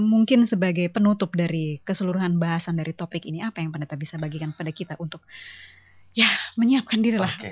jadi mungkin sebagai penutup dari keseluruhan bahasan dari topik ini apa yang pendeta bisa bagikan kepada kita untuk ya menyiapkan diri lah